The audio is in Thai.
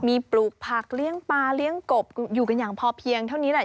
มีปลูกผักเลี้ยงปลาเลี้ยงกบอยู่กันอย่างพอเพียงเท่านี้แหละ